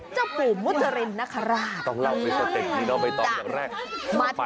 เจ้าปู่มุจรินนะคะราช